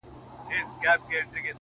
o لكه ژړا،